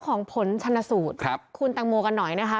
ของผลชนสูตรคุณแตงโมกันหน่อยนะคะ